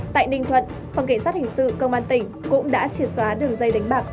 tại ninh thuận phòng cảnh sát hình sự công an tỉnh cũng đã triệt xóa đường dây đánh bạc